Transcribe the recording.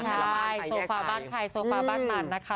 ใช่ศูควะบ้างใครศูควะบ้านมันนะคะ